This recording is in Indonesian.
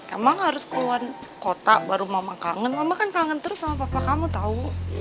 emang harus keluar kota baru mama kangen mama kan kangen terus sama papa kamu tau